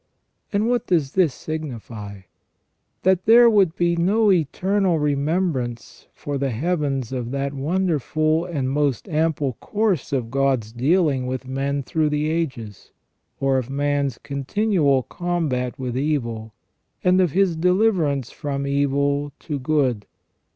And what does this signify? That there would be no eternal remembrance for the heavens of that wonderful and most ample course of God's dealings with men through the ages, or of man's continual combat with evil, and of his deliverance from evil to good.